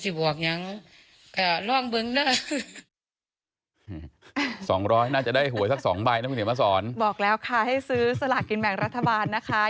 สองร้อยน่าจะได้หวยสักสองใบนะคุณเขียนมาสอนบอกแล้วค่ะให้ซื้อสลากกินแบ่งรัฐบาลนะคะ